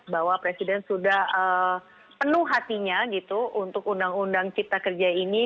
bahwa presiden sudah penuh hatinya gitu untuk undang undang cipta kerja ini